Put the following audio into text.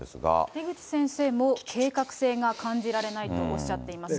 出口先生も、計画性が感じられないとおっしゃっています。